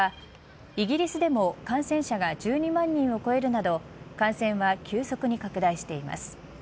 イギリスでも感染者が１２万人を超えるなど感染は急速に拡大しています。